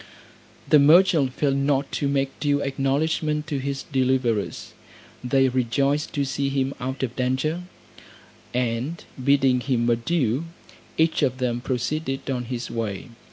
The merchant failed not to make due acknowledgment to his deliverers. They rejoiced to see him out of danger; and bidding him adieu, each of them proceeded on his way.